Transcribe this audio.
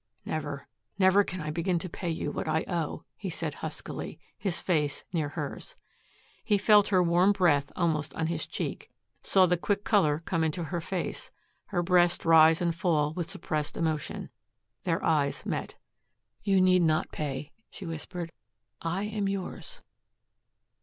"Never never can I begin to pay you what I owe," he said huskily, his face near hers. He felt her warm breath almost on his cheek, saw the quick color come into her face, her breast rise and fall with suppressed emotion. Their eyes met. "You need not pay," she whispered. "I am yours."